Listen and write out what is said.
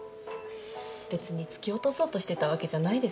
別に突き落とそうとしてたわけじゃないですよ。